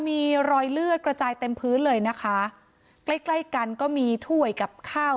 มีรอยเลือดกระจายเต็มพื้นเลยนะคะใกล้ใกล้กันก็มีถ้วยกับข้าว